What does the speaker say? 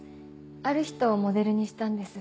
ある人をモデルにしたんです。